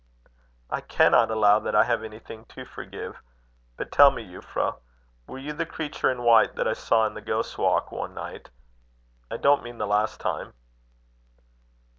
"I cannot allow that I have anything to forgive. But tell me, Euphra, were you the creature, in white that I saw in the Ghost's Walk one night? I don't mean the last time."